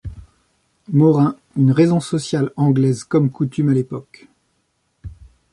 Morin, une raison sociale anglaise comme coutume à l'époque.